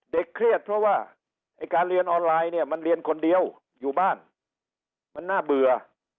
เครียดเพราะว่าไอ้การเรียนออนไลน์เนี่ยมันเรียนคนเดียวอยู่บ้านมันน่าเบื่อ